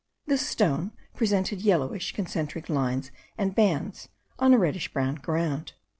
This stone presented yellowish concentric lines and bands, on a reddish brown ground.